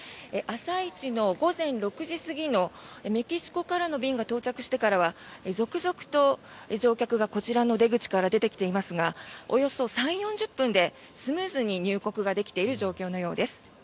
朝一の午前６時過ぎのメキシコからの便が到着してからは続々と乗客がこちらの出口から出てきていますがおよそ３０４０分でスムーズに入国ができている状況のようです。